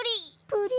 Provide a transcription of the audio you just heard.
プリ？